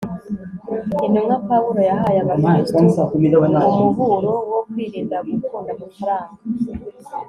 intumwa pawulo yahaye abakristo umuburo wo kwirinda gukunda amafaranga